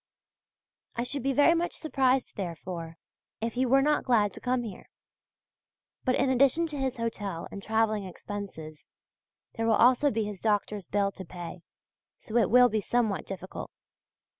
I should be very much surprised, therefore, if he were not glad to come here. But in addition to his hotel and travelling expenses, there will also be his doctor's bill to pay; so it will be somewhat difficult.